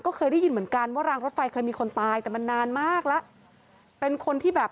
ก็เคยได้ยินเหมือนกันว่ารางรถไฟเคยมีคนตายแต่มันนานมากแล้ว